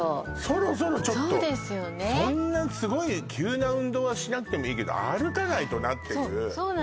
そろそろちょっとそんなすごい急な運動はしなくてもいいけど歩かないとなっていう